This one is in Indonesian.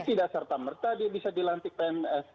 jadi tidak serta merta dia bisa dilantik pns